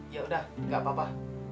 yaudah nggak apa apa